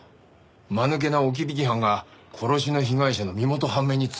間抜けな置き引き犯が殺しの被害者の身元判明に繋がるなんてな。